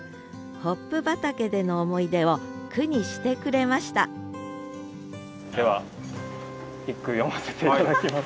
ホップ畑での思い出を句にしてくれましたでは一句詠ませて頂きます。